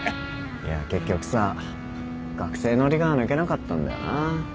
いや結局さ学生ノリが抜けなかったんだよな